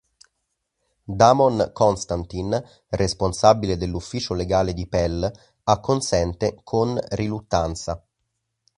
Damon Konstantin, responsabile dell'ufficio legale di Pell, acconsente con riluttanza.